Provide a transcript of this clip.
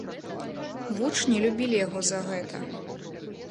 Вучні любілі яго за гэта.